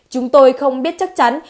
chúng tôi không biết chắc chắn